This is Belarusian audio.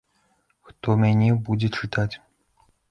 Хто мяне будзе чытаць?